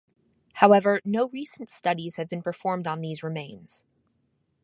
However, no recent studies have been performed on these remains.